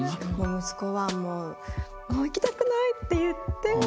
息子は「もう行きたくない！」って言って。